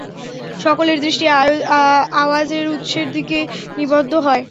সকলের দৃষ্টি আওয়াজের উৎসের দিকে নিবদ্ধ হয়।